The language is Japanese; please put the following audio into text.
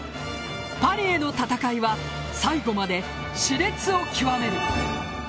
パリへの戦いは最後まで熾烈を極める。